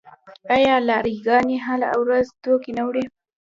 آیا لاری ګانې هره ورځ توکي نه وړي؟